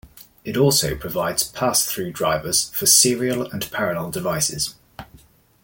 It also provides pass-through drivers for serial and parallel devices.